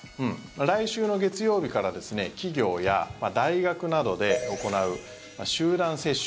来週の月曜日から企業や大学などで行う集団接種